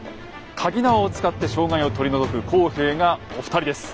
かぎ縄を使って障害を取り除く工兵がお二人です。